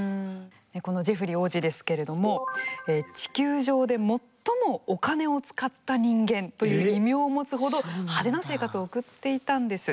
このジェフリ王子ですけれども地球上で最もお金を使った人間という異名を持つほど派手な生活を送っていたんです。